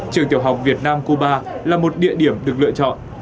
trường tiểu học việt nam cuba là một địa điểm được lựa chọn